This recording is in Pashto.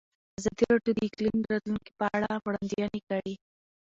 ازادي راډیو د اقلیم د راتلونکې په اړه وړاندوینې کړې.